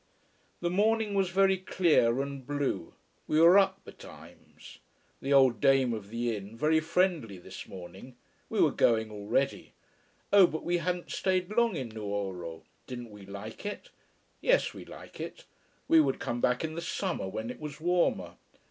The morning was very clear and blue. We were up betimes. The old dame of the inn very friendly this morning. We were going already! Oh, but we hadn't stayed long in Nuoro. Didn't we like it? Yes, we like it. We would come back in the summer when it was warmer.